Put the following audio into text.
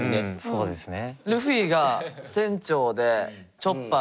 そうですね。